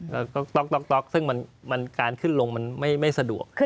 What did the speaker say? แล้วก็ต๊อกซึ่งการขึ้นลงมันไม่สะดวก